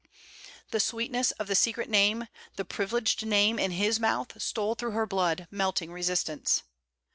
The sweetness of the secret name, the privileged name, in his mouth stole through her blood, melting resistance.